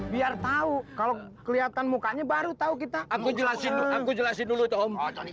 biar tahu kalau kelihatan mukanya baru tahu kita aku jelasin aku jelasin dulu